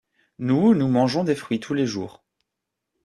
Nous, nous mangeons des fruits tous les jours.